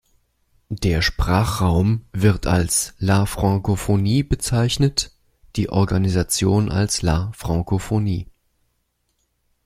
Der Sprachraum wird als "la francophonie" bezeichnet, die Organisation als "la Francophonie".